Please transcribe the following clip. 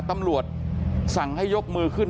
ตำรวจสั่งให้ยกมือขึ้น